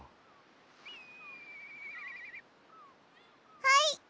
はい！